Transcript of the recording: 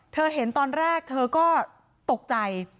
เห็นตอนแรกเธอก็ตกใจ